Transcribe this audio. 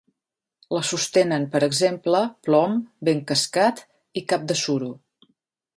La sostenen, per exemple, Plom, Ben Cascat i Cap de Suro